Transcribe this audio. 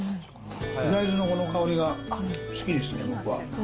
大豆のこの香りが好きですね、僕は。